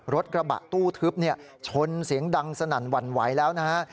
รถกระบะตู้ทึบชนเสียงดังสนั่นหวั่นไหวแล้วนะฮะ